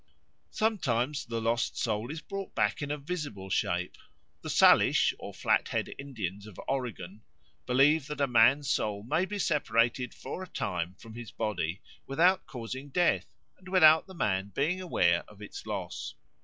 Sometimes the lost soul is brought back in a visible shape. The Salish or Flathead Indians of Oregon believe that a man's soul may be separated for a time from his body without causing death and without the man being aware of his loss.